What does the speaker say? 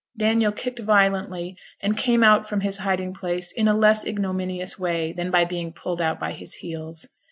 Daniel kicked violently, and came out from his hiding place in a less ignominious way than by being pulled out by his heels.